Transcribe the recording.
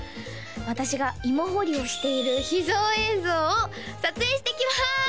私がいも掘りをしている秘蔵映像を撮影してきます！